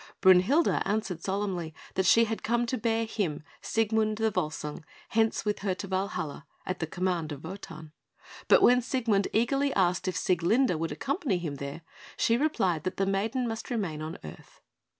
Brünhilde answered solemnly that she had come to bear him, Siegmund the Volsung, hence with her to Valhalla, at the command of Wotan; but when Siegmund eagerly asked if Sieglinde would accompany him there, she replied that the maiden must remain on earth.